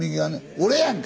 俺やんけ！